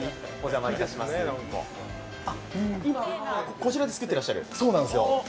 こちらで作ってらっしゃる？